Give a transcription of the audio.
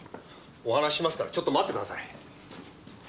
お話ししますからちょっと待ってください。